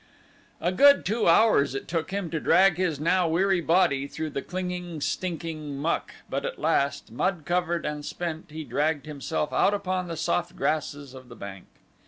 A good two hours it took him to drag his now weary body through the clinging, stinking muck, but at last, mud covered and spent, he dragged himself out upon the soft grasses of the bank.